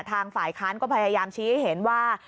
ทางฝ่ายค้านก็พยายามชี้ให้เห็นว่า